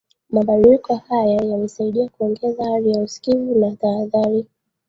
Mabadiliko haya yamesaidia kuongeza hali ya usikivu na tahadhari